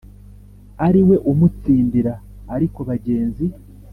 ariwe umutsindira ariko bagenzi